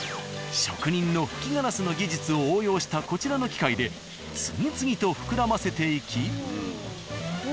職人の吹きガラスの技術を応用したこちらの機械で次々と膨らませていき。